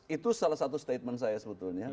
itu salah satu statement saya sebetulnya